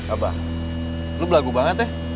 abah lo belagu banget ya